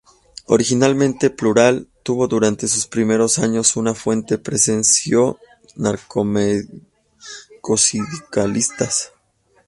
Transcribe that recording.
Originalmente plural, tuvo durante sus primeros años una fuerte presencia anarcosindicalista.